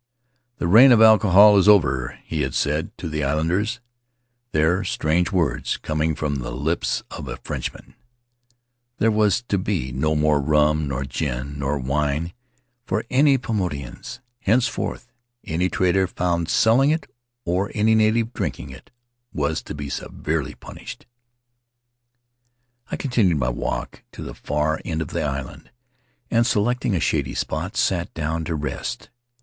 'The reign of alcohol is over," he had said to the islanders there — strange words, coming from the lips of a Frenchman. There was to be no more rum nor gin nor wine for any of the Paumotuans. Henceforth, any The Starry Threshold trader found selling it or any native drinking it was to 1 be severely punished. I continued my walk to the far end of the island and, selecting a shady spot, sat down to rest.